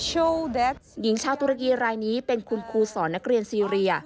เชลแดสหญิงชาวตุรกีรายนี้เป็นคุณครูสอนนักเรียนซีเรีย